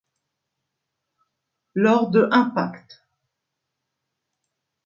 Lors de Impact!